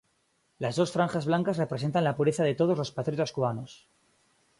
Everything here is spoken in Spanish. Las dos franjas blancas representan la pureza de todos los patriotas cubanos.